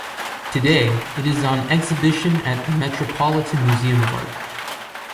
Today, it is on exhibition at the Metropolitan Museum of Art.